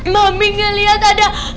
mami ngeliat ada